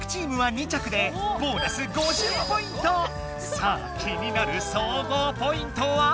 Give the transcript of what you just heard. さあ気になる総合ポイントは？